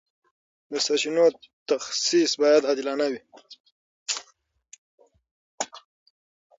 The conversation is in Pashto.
د سرچینو تخصیص باید عادلانه وي.